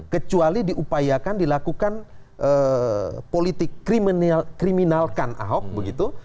kecuali diupayakan dilakukan politik kriminalkan ahok begitu